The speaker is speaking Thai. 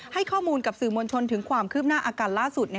ให้ข้อมูลกับสื่อมวลชนถึงความคืบหน้าอาการล่าสุด